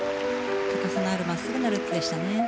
高さのある真っすぐなループでしたね。